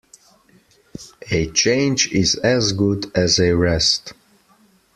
A change is as good as a rest.